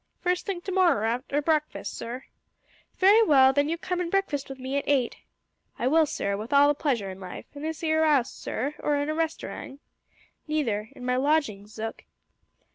"First thing to morror arter breakfast, sir." "Very well; then you'll come and breakfast with me at eight?" "I will, sir, with all the pleasure in life. In this 'ere 'ouse, sir, or in a resterang?" "Neither. In my lodgings, Zook."